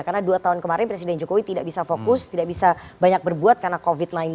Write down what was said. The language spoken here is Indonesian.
karena dua tahun kemarin presiden jokowi tidak bisa fokus tidak bisa banyak berbuat karena covid sembilan belas